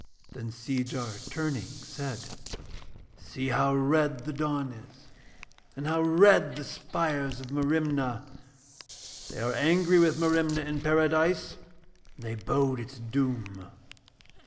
Then Seejar turning said: 'See how red the dawn is and how red the spires of Merimna. They are angry with Merimna in Paradise and they bode its doom.'